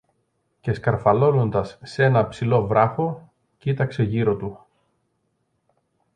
Και σκαρφαλώνοντας σ' έναν ψηλό βράχο, κοίταξε γύρω του.